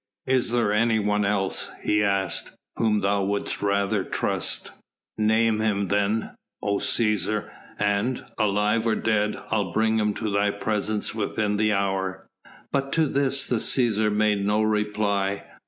"Is there anyone else," he asked, "whom thou wouldst rather trust? Name him then, O Cæsar, and, alive or dead, I'll bring him to thy presence within the hour." But to this the Cæsar made no reply.